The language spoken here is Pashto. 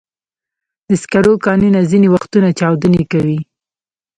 د سکرو کانونه ځینې وختونه چاودنې کوي.